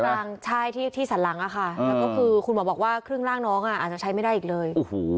แล้วก็คือคุณหมอบอกว่าครึ่งร่างน้องอ่ะอาจจะใช้ไม่ได้อีกเลย